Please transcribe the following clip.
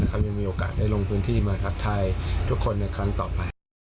เขายังมีโอกาสได้ลงพื้นที่มาทักทายทุกคนในครั้งต่อไป